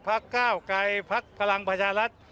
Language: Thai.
พลักษณ์ก้าวกายพลักษณ์พลังประชารัฐ